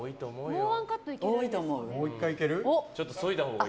もう１カットいけますよ。